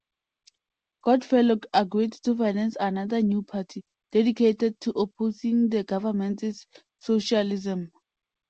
Goodfellow agreed to finance another new party, dedicated to opposing the government's "socialism".